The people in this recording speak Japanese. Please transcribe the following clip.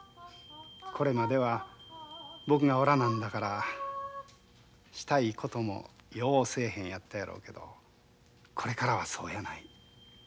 これまでは僕がおらなんだからしたいこともようせえへんやったやろうけどこれからはそうやない。